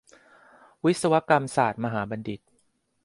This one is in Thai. วิศวกรรมศาสตรมหาบัณฑิต